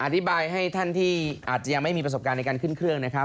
อธิบายให้ท่านที่อาจจะยังไม่มีประสบการณ์ในการขึ้นเครื่องนะครับ